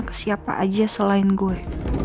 ke siapa aja selain gue